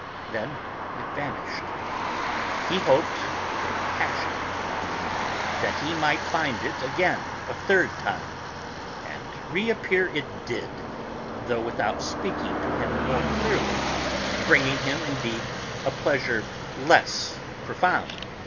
Then it vanished. He hoped, with a passionate longing, that he might find it again, a third time. And reappear it did, though without speaking to him more clearly, bringing him, indeed, a pleasure less profound.